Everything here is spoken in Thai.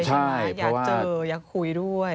ใช่เพราะว่าอยากเจออยากคุยด้วย